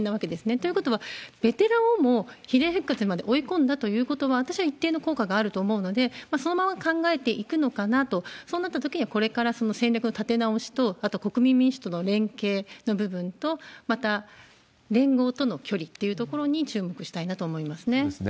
ということは、ベテランをも比例復活まで追い込んだということは、私は一定の効果があると思うので、そのまま考えていくのかなと、そうなったときには、これから戦略の立て直しと、あと国民民主との連携の部分と、また連合との距離っていうところに注目したいなと思いますね。